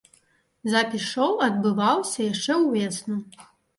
Запіс шоу адбываўся яшчэ ўвесну.